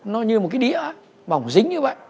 nó như một cái đĩa bỏng dính như vậy